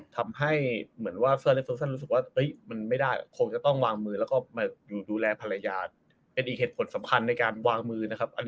ทำให้เหมือนว่าเสื้อเล็กโซเซอร์รู้สึกว่ามันไม่ได้คงจะต้องวางมือแล้วก็มาอยู่ดูแลภรรยาเป็นอีกเหตุผลสำคัญในการวางมือนะครับ